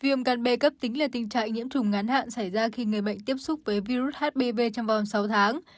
viêm gan b cấp tính là tình trạng nhiễm trùng ngắn hạn xảy ra khi người bệnh tiếp xúc với virus hbv trong vòng sáu tháng